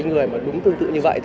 ông muốn gọi gì thì gọi đi